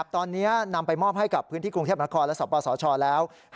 ตอนนี้นำไปมอบให้กับพื้นที่กรุงเทพนครและสปสชแล้ว